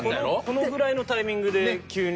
このぐらいのタイミングで急に。